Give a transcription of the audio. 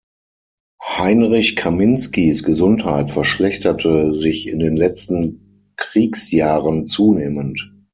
Heinrich Kaminskis Gesundheit verschlechterte sich in den letzten Kriegsjahren zunehmend.